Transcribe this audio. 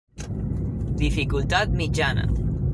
Dificultat mitjana.